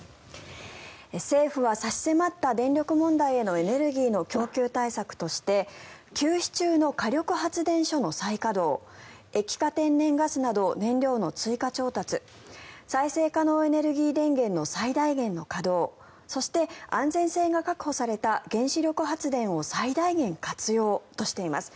政府は差し迫った電力問題へのエネルギーの供給対策として休止中の火力発電所の再稼働液化天然ガスなど燃料の追加調達再生可能エネルギー電源の最大限の稼働そして安全性が確保された原子力発電を最大限活用としています。